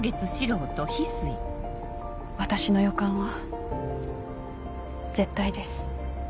私の予感は絶対です。